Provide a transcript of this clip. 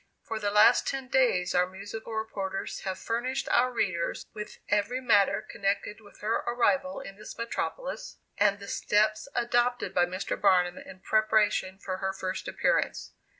For the last ten days our musical reporters have furnished our readers with every matter connected with her arrival in this metropolis, and the steps adopted by Mr. Barnum in preparation for her first appearance.